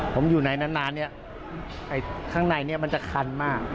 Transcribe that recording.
ผมอยู่ในนานเนี่ยไอ้ข้างในนี้มันจะคันมาก